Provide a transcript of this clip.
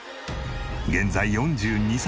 現在４２歳。